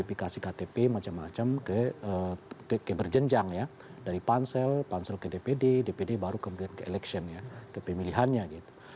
apakah establishment fungsiement ilo ini akan memperbaiki istimewa saya ketika mengontrol ke helps internacional aku